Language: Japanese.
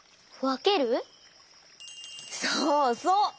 そうそう！